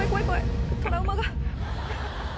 トラウマが。